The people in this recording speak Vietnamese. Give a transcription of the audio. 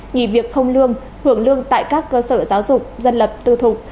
nghỉ việc không lương hưởng lương tại các cơ sở giáo dục dân lập tư thục